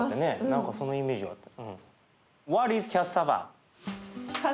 何かそのイメージがあった。